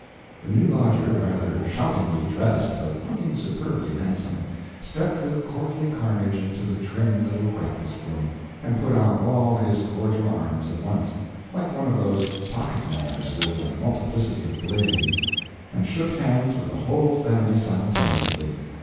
The new lodger, rather shoutingly dressed but looking superbly handsome, stepped with courtly carnage into the trim little breakfast room and put out all his cordial arms at once, like one of those pocket knives with a multiplicity of blades, and shook hands with the whole family simultaneously.